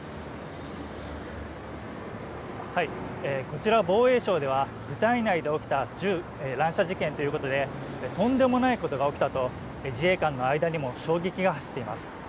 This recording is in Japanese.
こちら防衛省では、部隊内で起きた銃乱射事件ということでとんでもないことが起きたと自衛官の間にも衝撃が走っています。